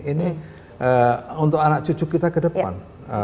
ini untuk anak cucu kita ke depan